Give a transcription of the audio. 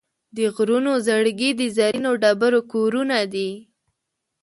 د غرونو زړګي د زرینو ډبرو کورونه دي.